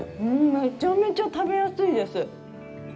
めちゃめちゃ食べやすいです。